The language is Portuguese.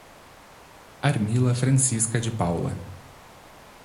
Armila Francisca de Paula